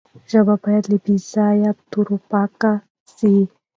ژبه باید له بې ځایه تورو پاکه سي.